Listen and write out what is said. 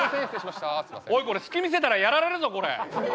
おいこれ隙見せたらやられるぞこれ。